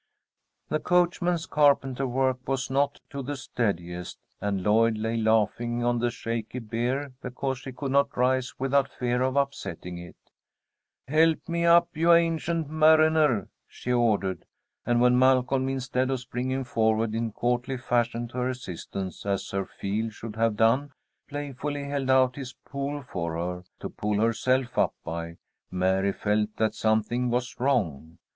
The coachman's carpenter work was not of the steadiest, and Lloyd lay laughing on the shaky bier because she could not rise without fear of upsetting it. "Help me up, you ancient mariner," she ordered, and when Malcolm, instead of springing forward in courtly fashion to her assistance as Sir Feal should have done, playfully held out his pole for her to pull herself up by, Mary felt that something was wrong.